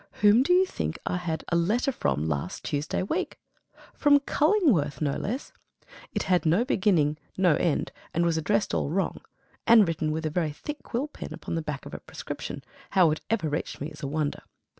Whom do you think I had a letter from last Tuesday week? From Cullingworth, no less. It had no beginning, no end, was addressed all wrong, and written with a very thick quill pen upon the back of a prescription. How it ever reached me is a wonder.